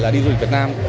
đi du lịch việt nam